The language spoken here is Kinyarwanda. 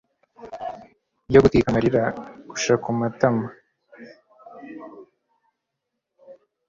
iyo gutwika amarira gush kumatama